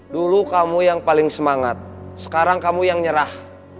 dulu kamu yang paling semangat sekarang kamu yang nyerah